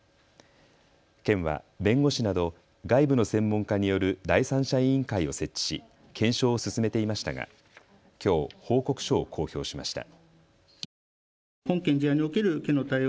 県は弁護士など外部の専門家による第三者委員会を設置し検証を進めていましたがきょう報告書を公表しました。